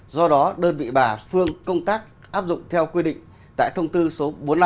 do đó đơn vị bà phương công tác áp dụng theo quy định tại thông tư số bốn mươi năm